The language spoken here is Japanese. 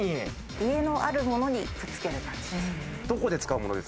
家のあるものに、くっつける感じです。